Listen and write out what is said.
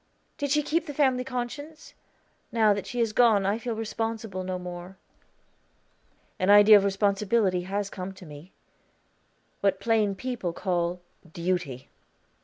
Did she keep the family conscience? Now that she has gone I feel responsible no more." "An idea of responsibility has come to me what plain people call Duty."